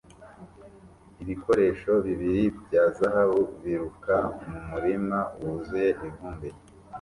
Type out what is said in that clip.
Ibikoresho bibiri bya zahabu biruka mumurima wuzuye ivumbi